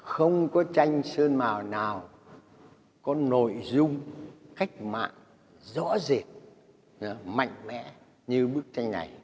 không có tranh sơn nào nào có nội dung cách mạng rõ rệt mạnh mẽ như bức tranh này